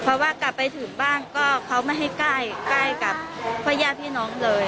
เพราะว่ากลับไปถึงบ้านก็เขาไม่ให้ใกล้ใกล้กับพ่อย่าพี่น้องเลย